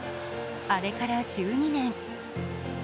あれから１２年。